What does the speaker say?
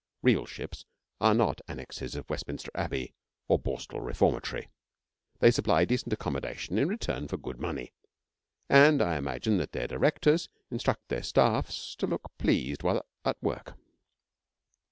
Real ships are not annexes of Westminster Abbey or Borstal Reformatory. They supply decent accommodation in return for good money, and I imagine that their directors instruct their staffs to look pleased while at work.